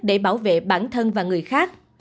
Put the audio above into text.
để bảo vệ bản thân và người khác